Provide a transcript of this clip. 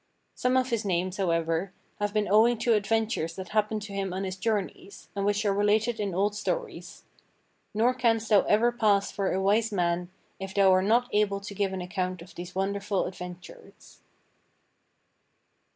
Some of his names, however, have been owing to adventures that happened to him on his journeys, and which are related in old stories. Nor canst thou ever pass for a wise man if thou are not able to give an account of these wonderful adventures."